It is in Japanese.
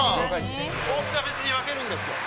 大きさ別に分けるんですよ。